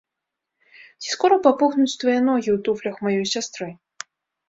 Ці скора папухнуць твае ногі ў туфлях маёй сястры?